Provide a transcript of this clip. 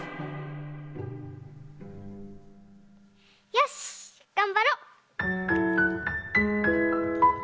よしっがんばろう！